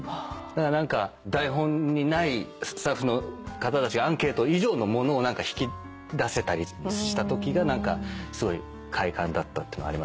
だから何か台本にないスタッフの方たちがアンケート以上のものを引き出せたりしたときがすごい快感だったっていうのはありますけど。